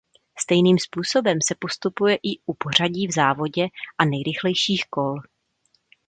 Stejným způsobem se postupuje i u pořadí v závodě a nejrychlejších kol.